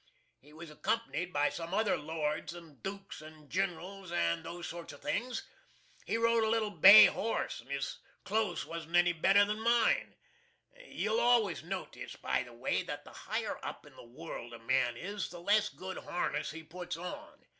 He was accompanied by some other lords and dukes and generals and those sort of things. He rode a little bay horse, and his close wasn't any better than mine. You'll always notiss, by the way, that the higher up in the world a man is, the less good harness he puts on.